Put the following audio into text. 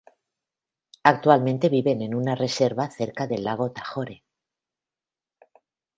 Actualmente viven en una reserva cerca del lago Tahoe.